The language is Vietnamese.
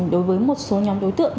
đối với một số nhóm đối tượng